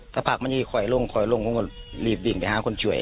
ถ้าภาพมันยิ่งคอยลงคอยลงผมก็หลีบดิ้งไปหาคนช่วย